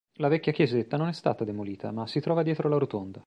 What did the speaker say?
La vecchia chiesetta non è stata demolita, ma si trova dietro la rotonda.